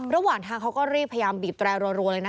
ระหว่างทางเขาก็รีบพยายามบีบแตรรัวเลยนะ